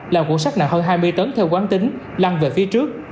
làm cuộn sắt nặng hơn hai mươi tấn theo quán tính lăn về phía trước